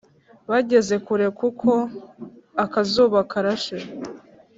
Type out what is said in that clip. bageze kure kuko akazuba karashe